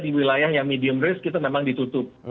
di wilayah yang medium risk itu memang ditutup